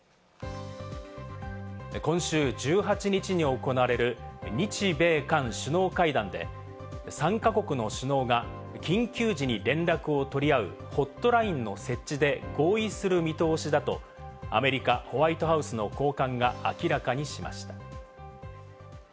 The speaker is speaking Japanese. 今週１８日に行われる日米韓首脳会談で、３カ国の首脳が緊急時に連絡を取り合うホットラインの設置で合意する見通しだとアメリカ・ホワイトハウスの高官が明らかにしました。